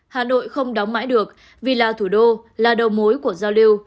hà nội không đóng mãi được vì là thủ đô là đầu mối của giao lưu